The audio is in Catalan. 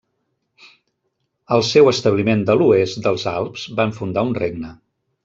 Al seu establiment de l'oest dels Alps van fundar un regne.